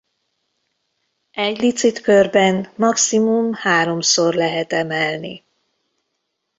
Egy licit körben maximum háromszor lehet emelni.